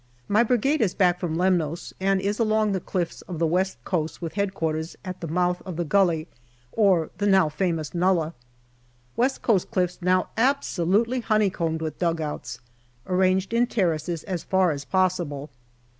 My Brigade is back from Lemnos, and is along the cliffs of the West Coast with H.Q. at the mouth of the gully or the now famous nullah. West Coast cliffs now absolutely honeycombed with dugouts, arranged in terraces as far as possible.